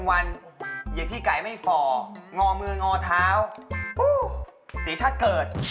เหยียดพี่ไก่ไม่ฝ่องอมืองอเท้าฮู้ศรีชาติเกิด